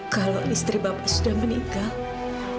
kalau istri bapak sudah meninggal